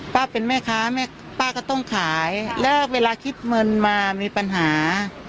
ป้าเป็นแม่ค้าแม่ป้าก็ต้องขายแล้วเวลาคิดเงินมามีปัญหา